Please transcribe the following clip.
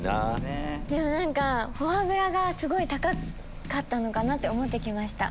何かフォアグラがすごい高かったのかなって思って来ました。